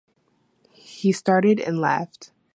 He started, and laughed.